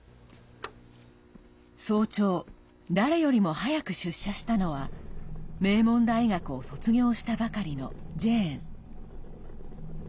早朝、誰よりも早く出社したのは名門大学を卒業したばかりのジェーン。